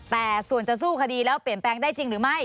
แต่ส่วนจะสู้คดีแล้วเปลี่ยนแปลงได้จริงหรือไม่